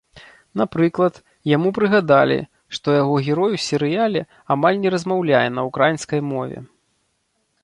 Напрыклад, яму прыгадалі, што яго герой у серыяле амаль не размаўляе на ўкраінскай мове.